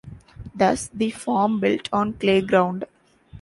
Thus: "the farm built on clay ground".